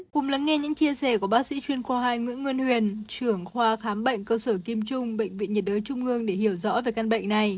cùng lắng nghe những chia sẻ của bác sĩ chuyên khoa hai nguyễn nguyên huyền trưởng khoa khám bệnh cơ sở kim trung bệnh viện nhiệt đới trung ương để hiểu rõ về căn bệnh này